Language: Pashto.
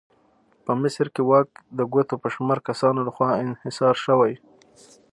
په مصر کې واک د ګوتو په شمار کسانو لخوا انحصار شوی.